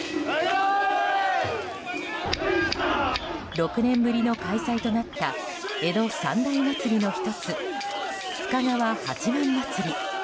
６年ぶりの開催となった江戸三大祭りの１つ深川八幡祭り。